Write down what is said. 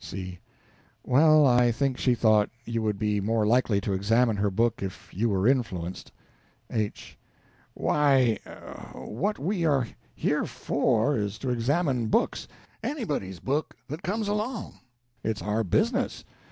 C. Well, I think she thought you would be more likely to examine her book if you were influenced. H. Why, what we are here _for _is to examine books anybody's book that comes along. It's our business.